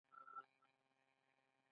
ويل يې چې د ځمکې حدود يې تر هماغه ځايه دي.